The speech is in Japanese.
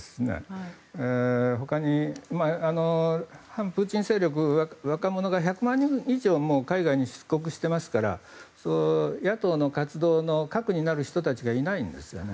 他に、反プーチン勢力若者が１００万人以上海外に出国していますから野党の活動の核になる人たちがいないんですね。